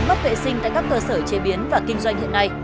vàng góp vệ sinh tại các cơ sở chế biến và kinh doanh hiện nay